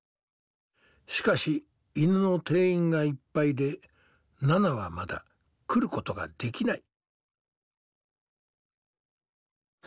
しかし犬の定員がいっぱいでナナはまだ来ることができない。